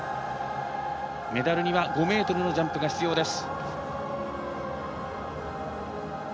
メダルには５ｍのジャンプが必要です。